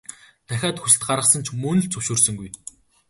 Дахиад хүсэлт гаргасан ч мөн л зөвшөөрсөнгүй.